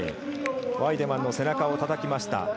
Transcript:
ワイデマンの背中をたたきました。